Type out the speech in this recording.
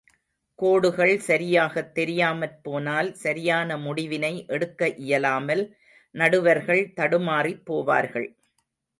கோடுகள் சரியாகத் தெரியாமற் போனால், சரியான முடிவினை எடுக்க இயலாமல், நடுவர்கள் தடுமாறிப் போவார்கள்.